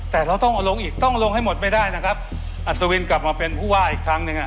แต่เราต้องเอาลงอีกต้องลงให้หมดไม่ได้นะครับอัศวินกลับมาเป็นผู้ว่าอีกครั้งหนึ่งอ่ะ